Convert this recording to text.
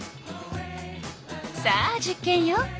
さあ実験よ。